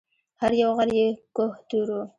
هر یو غر یې کوه طور و